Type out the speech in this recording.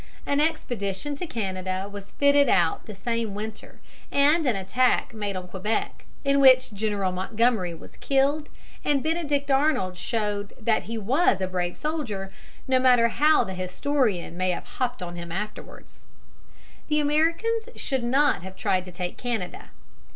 An expedition to Canada was fitted out the same winter, and an attack made on Quebec, in which General Montgomery was killed and Benedict Arnold showed that he was a brave soldier, no matter how the historian may have hopped on him afterwards. The Americans should not have tried to take Canada.